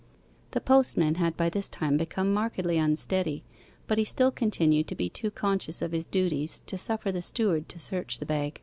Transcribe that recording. The postman had by this time become markedly unsteady, but he still continued to be too conscious of his duties to suffer the steward to search the bag.